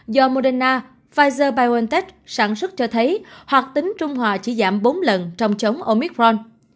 do moderna pfizer biontech sản xuất cho thấy hoặc tính trung hòa chỉ giảm bốn lần trong chống omicron